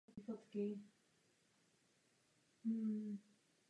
Pochody probíhají uvnitř těla mikroorganismů nebo působením enzymů mimo jejich tělo.